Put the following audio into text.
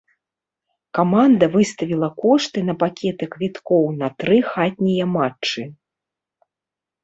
Каманда выставіла кошты на пакеты квіткоў на тры хатнія матчы.